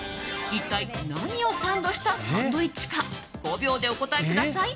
一体、何をサンドしたサンドイッチか５秒でお答えください。